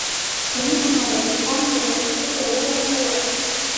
د امیر محمد اعظم خان د پاچهۍ دوره لنډه وه.